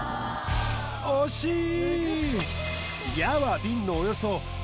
惜しい！